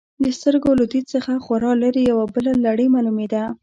د سترګو له دید څخه خورا لرې، یوه بله لړۍ معلومېده.